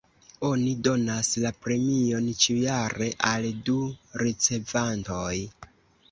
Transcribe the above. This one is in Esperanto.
Oni donas la premion ĉiujare al du ricevantoj.